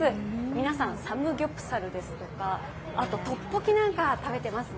皆さん、サムギョプサルですとかトッポギなんか食べてますね。